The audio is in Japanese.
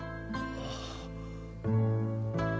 ああ。